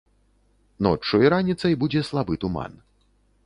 Ноччу і раніцай будзе слабы туман.